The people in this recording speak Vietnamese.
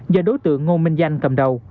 do đối tượng ngô minh danh cầm đầu